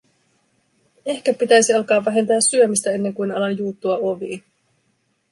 Ehkä pitäisi alkaa vähentää syömistä, ennen kuin alan juuttua oviin.